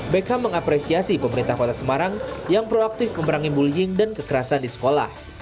beckham mengapresiasi pemerintah kota semarang yang proaktif memberangi bullying dan kekerasan di sekolah